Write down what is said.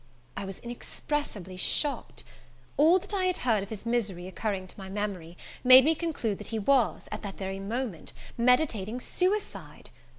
I was inexpressibly shocked. All that I had heard of his misery occurring to my memory, made me conclude that he was, at that very moment, meditating suicide!